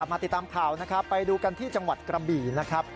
มาติดตามข่าวนะครับไปดูกันที่จังหวัดกระบี่นะครับ